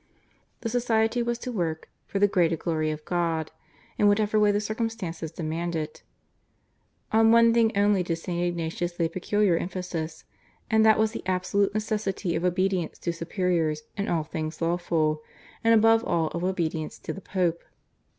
The society was to work "for the greater glory of God" in whatever way the circumstances demanded. On one thing only did St. Ignatius lay peculiar emphasis, and that was the absolute necessity of obedience to superiors in all things lawful, and above all of obedience to the Pope.